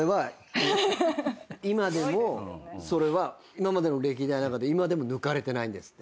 今までの歴代の中で今でも抜かれてないんですって。